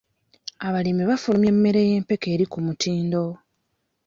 Abalimi bafulumya emmere y'empeke eri ku mutindo.